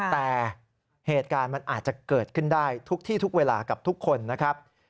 แต่เหตุการณ์มันอาจจะเกิดขึ้นได้ทุกที่ทุกเวลากับทุกคนนะครับ